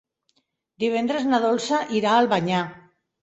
Divendres na Dolça irà a Albanyà.